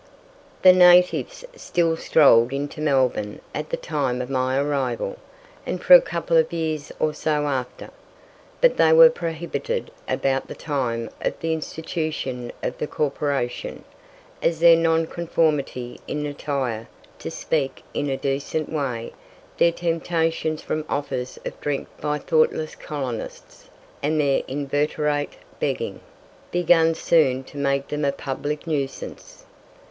The natives still strolled into Melbourne at the time of my arrival, and for a couple of years or so after; but they were prohibited about the time of the institution of the corporation, as their non conformity in attire to speak in a decent way their temptations from offers of drink by thoughtless colonists, and their inveterate begging, began soon to make them a public nuisance.